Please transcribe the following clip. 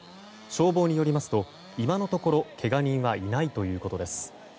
消防によりますと今のところけが人はいないということです。